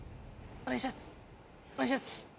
お願いします。